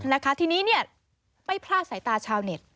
นะคะทีนี้เนี่ยไม่พลาดสายตาชาวเน็ต